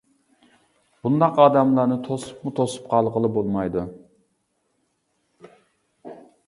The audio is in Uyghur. بۇنداق ئادەملەرنى توسۇپمۇ توسۇپ قالغىلى بولمايدۇ.